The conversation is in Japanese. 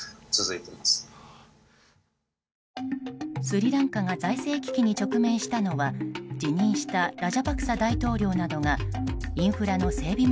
スリランカが財政危機に直面したのは辞任したラジャパクサ大統領などがインフラの整備